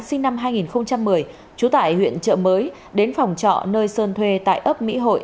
sinh năm hai nghìn một mươi trú tại huyện trợ mới đến phòng trọ nơi sơn thuê tại ấp mỹ hội